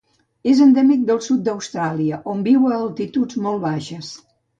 És endèmic del sud d'Austràlia, on viu a altituds molt baixes.